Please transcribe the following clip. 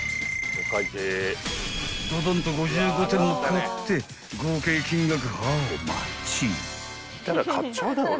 ［どどんと５５点も買って合計金額ハウマッチ？］